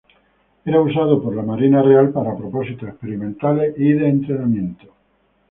Era usado por la Marina Real para propósitos experimentales y de entrenamiento.